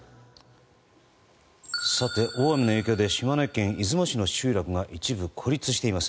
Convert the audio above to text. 大雨の影響で島根県出雲市の集落が一部孤立しています。